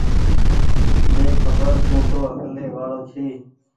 ۮيکبر تونٚ تو اڪلي وآڙو ڇي